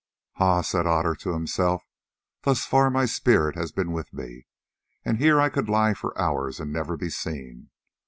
"Ha!" said Otter to himself, "thus far my Spirit has been with me, and here I could lie for hours and never be seen.